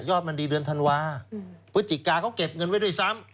มันดีเดือนธันวาพฤศจิกาเขาเก็บเงินไว้ด้วยซ้ำ